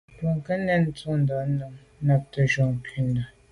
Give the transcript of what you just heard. Bwɔ́ŋkə́’ cɛ̌d nɛ̂n tûʼndá á nǔm nə̀ nàptə̌ jùp kghûndá.